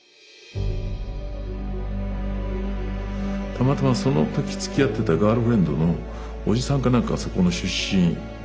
たまたまその時つきあってたガールフレンドのおじさんか何かがそこの出身だった。